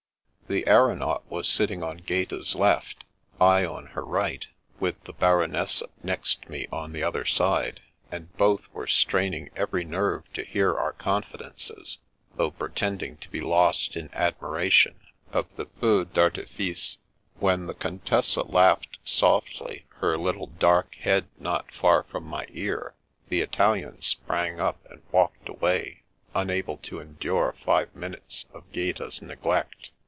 " The aeronaut was sitting on Gaeta's left, I on her right, with the Baronessa next me on the other side, and both were straining every nerve to hear our con fidences, though pretending to be lost in admiration of the feu d'artifice. When the Contessa laughed softly, her little dark head not far from my ear, the Italian sprang up, and walked away, unable to endure five minutes of Gaeta's neglect.